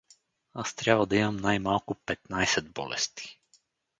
Аз трябва да имам най-малко петнайсет болести.